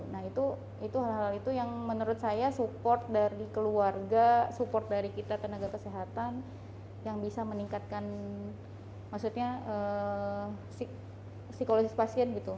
nah itu hal hal itu yang menurut saya support dari keluarga support dari kita tenaga kesehatan yang bisa meningkatkan maksudnya psikologis pasien gitu